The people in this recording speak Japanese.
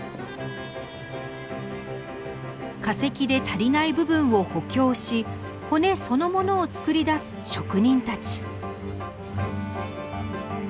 化石で足りない部分を補強し骨そのものを作り出す職人たち。